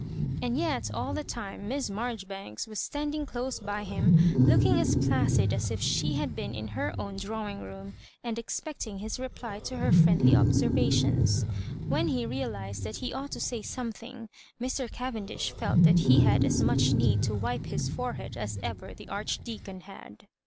And yet all the time Miss Marjoribanks wiis standing close by him, looking as placid as if she had been in her own drawing room, and expect ing his reply to her friendly observations. When he realised that he ought to say something, Mr. Cavendish felt that he had as much need Co wipe his forehead as ever the Archdeacon had.